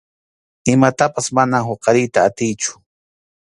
Imatapas manam huqariyta atiychu.